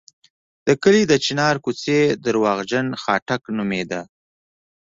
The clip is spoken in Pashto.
د کلي د چنار کوڅې درواغجن خاټک نومېده.